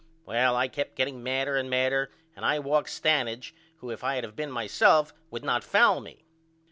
Well I kept getting madder and madder and I walks Stanage who if I had of been myself would not foul me.